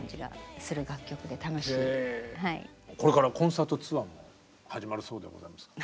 これからコンサートツアーも始まるそうでございますけど。